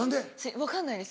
分かんないです